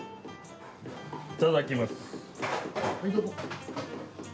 いただきます。